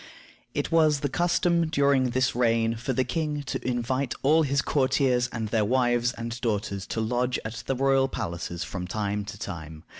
It was the custom during this reign for the king to invite all his courtiers and their wives and daughters to lodge at the royal palaces from time to time.